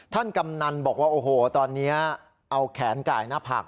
กำนันบอกว่าโอ้โหตอนนี้เอาแขนไก่หน้าผาก